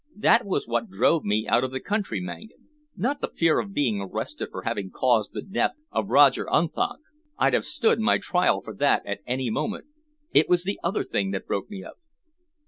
That was what drove me out of the country, Mangan not the fear of being arrested for having caused the death of Roger Unthank. I'd have stood my trial for that at any moment. It was the other thing that broke me up."